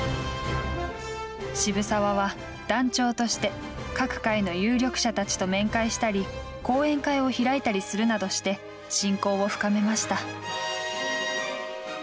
渋沢は団長として各界の有力者たちと面会したり講演会を開いたりするなどして親交を深めました。